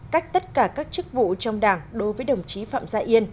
cách tất cả các chức vụ trong đảng đối với đồng chí phạm gia yên